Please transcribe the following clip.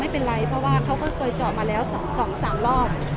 ไม่เป็นไรเพราะว่าเขาก็โกยเจาะมาแล้ว๒๓รอบ